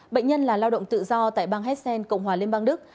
bệnh nhân là lao động tự do tại bang hessen cộng hòa liên bang đức